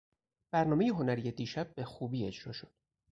برنامهٔ هنری دیشب بخوبی اجراء شد.